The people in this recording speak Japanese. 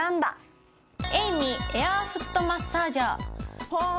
ＡｉＭＹエアーフットマッサージャー。